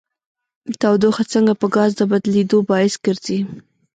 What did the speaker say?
تودوخه څنګه په ګاز د بدلیدو باعث ګرځي؟